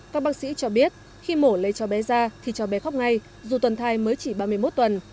các bác sĩ cho biết khi mổ lấy cho bé ra thì cháu bé khóc ngay dù tuần thai mới chỉ ba mươi một tuần